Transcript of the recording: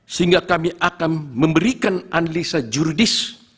sehingga kami akan memberikan analisa jurdis